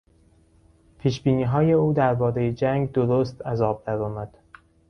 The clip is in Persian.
پیشبینیهای او دربارهی جنگ درست از آب درآمد.